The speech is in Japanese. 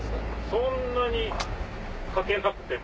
そんなにかけなくても。